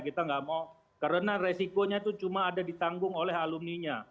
kita nggak mau karena resikonya itu cuma ada ditanggung oleh alumninya